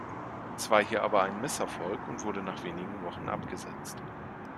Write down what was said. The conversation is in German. Es war hier aber ein Misserfolg und wurde nach wenigen Wochen abgesetzt.